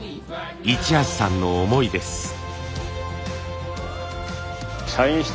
市橋さんの思いです。